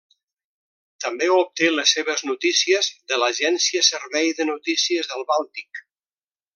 També obté les seves notícies de l'agència Servei de Notícies del Bàltic.